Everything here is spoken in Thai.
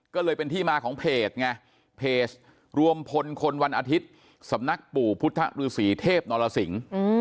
ก็เลยเป็นที่มาของเพจไงเพจรวมพลคนวันอาทิตย์สำนักปู่พุทธฤษีเทพนรสิง